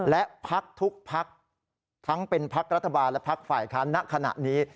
และพักทุกพักทั้งเป็นพักรัฐบาลและพักฝ่ายค้านณขณะนี้